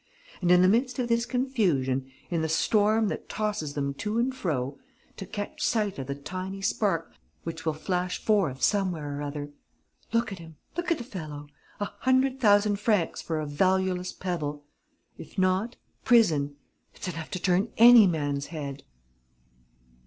And, in the midst of this confusion, in the storm that tosses them to and fro, to catch sight of the tiny spark which will flash forth somewhere or other!... Look at him! Look at the fellow! A hundred thousand francs for a valueless pebble ... if not, prison: it's enough to turn any man's head!"